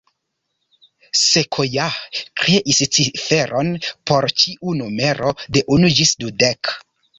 Sequoyah kreis ciferon por ĉiu numero de unu ĝis dudek